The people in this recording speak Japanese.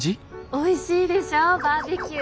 おいしいですバーベキュー！